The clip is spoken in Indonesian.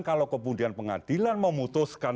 kalau kemudian pengadilan memutuskan